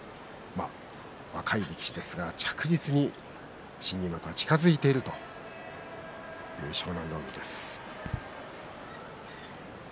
若い力士ですが着実に新入幕が近づいているという湘南乃海です。